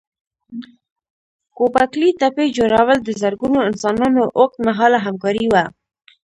ګوبک لي تپې جوړول د زرګونو انسانانو اوږد مهاله همکاري وه.